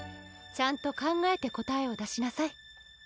ちゃんと考えて答えを出しなさい。